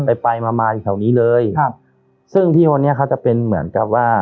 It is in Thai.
ไปไปมามาอยู่แถวนี้เลยครับซึ่งพี่คนนี้เขาจะเป็นเหมือนกับว่า